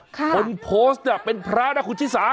คนโพสนะเป็นพระนะคุณชิสาร